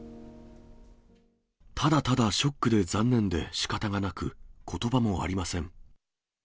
ただただショックで残念でしかたがなく、ことばもありません。